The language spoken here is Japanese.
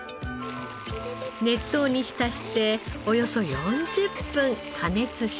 熱湯に浸しておよそ４０分加熱します。